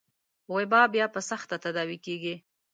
وبا بيا په سخته تداوي کېږي.